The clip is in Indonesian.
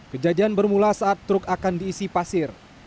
kejadian bermula saat truk akan diisi pasir